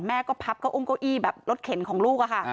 แม่ก็พับก็อมโก้อี้แบบรถเข็มของลูกอะค่ะ